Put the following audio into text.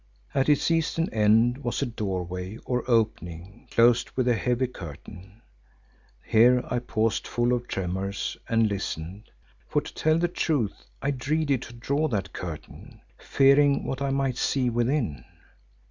At its eastern end was a doorway or opening closed with a heavy curtain. Here I paused full of tremors, and listened, for to tell the truth I dreaded to draw that curtain, fearing what I might see within.